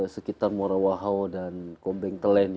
sekitar morawaho dan kobeng telen